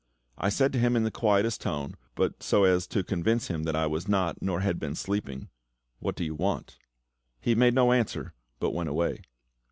I said to him in the quietest tone, but so as to convince him that I was not, nor had been, sleeping, "What do you want?" He made no answer, but went away.